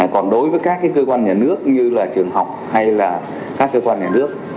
còn đối với các cơ quan nhà nước như là trường học hay là các cơ quan nhà nước